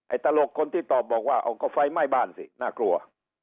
ตลกคนที่ตอบบอกว่าเอาก็ไฟไหม้บ้านสิน่ากลัว